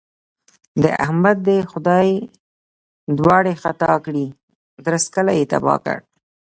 د احمد دې خدای دواړې خطا کړي؛ درست کلی يې تباه کړ.